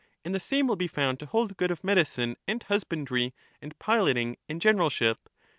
And the same will be found to hold good of medicine and husbandry and piloting and generalship.